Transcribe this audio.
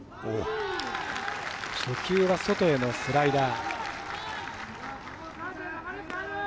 初球は外へのスライダー。